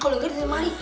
kalau enggak disemari